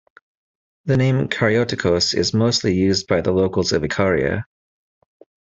The name Kariotikos is mostly used by the locals of Ikaria.